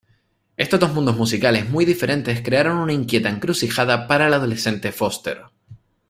Estos dos mundos musicales muy diferentes crearon una inquieta encrucijada para el adolescente Foster.